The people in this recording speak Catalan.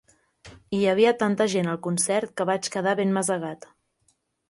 Hi havia tanta gent al concert que vaig quedar ben masegat.